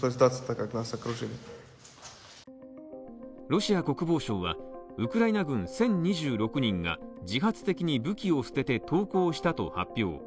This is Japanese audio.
ロシア国防省は、ウクライナ軍１０２６人が自発的に武器を捨てて投降したと発表。